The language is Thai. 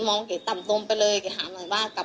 พี่ลองคิดดูสิที่พี่ไปลงกันที่ทุกคนพูด